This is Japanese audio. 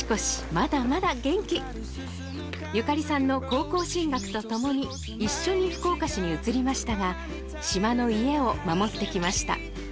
まだまだ元気ゆかりさんの高校進学とともに一緒に福岡市に移りましたが島の家を守ってきました